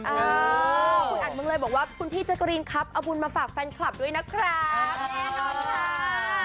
คุณอาจรึงเลยบอกว่าคุณพี่เจอร์กะรีนคำเอาบุลมาฝากแฟนคลับกันด้วยนะครับ